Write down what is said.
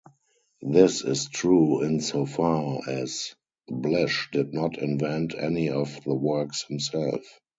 This is true insofar as Blish did not invent any of the works himself.